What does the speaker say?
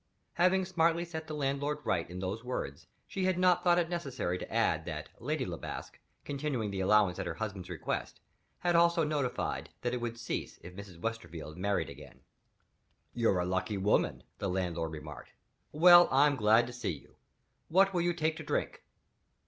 Having smartly set the landlord right in those words, she had not thought it necessary to add that Lady Le Basque, continuing the allowance at her husband's request, had also notified that it would cease if Mrs. Westerfield married again. "You're a lucky woman," the landlord remarked. "Well, I'm glad to see you. What will you take to drink?"